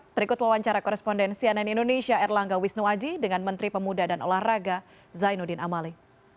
berikut wawancara korespondensi ann indonesia erlangga wisnuaji dengan menteri pemuda dan olahraga zainuddin amali